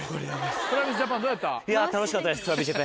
ＴｒａｖｉｓＪａｐａｎどうやった？